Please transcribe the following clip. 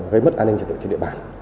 với mất an ninh trật tự trên địa bàn